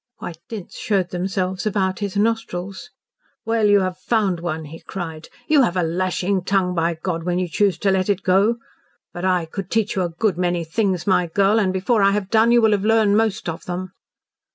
White dints showed themselves about his nostrils. "Well, you have found one," he cried. "You have a lashing tongue, by God, when you choose to let it go. But I could teach you a good many things, my girl. And before I have done you will have learned most of them."